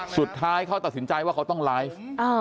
สุดท้ายเขาตัดสินใจว่าเขาต้องไลฟ์